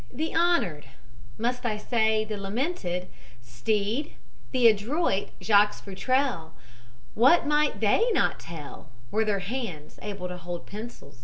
The honored must I say the lamented Stead, the adroit Jacques Futrelle, what might they not tell were their hands able to hold pencil?